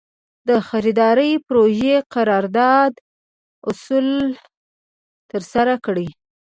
د خریدارۍ پروژې قرارداد اصولاً ترسره کړي.